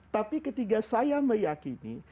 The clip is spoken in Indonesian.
tapi ketiga saya meyakini